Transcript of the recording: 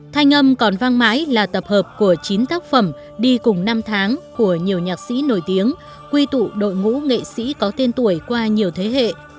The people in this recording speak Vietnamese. thanh âm còn vang mãi là tập hợp của chín tác phẩm đi cùng năm tháng của nhiều nhạc sĩ nổi tiếng quy tụ đội ngũ nghệ sĩ có tên tuổi qua nhiều thế hệ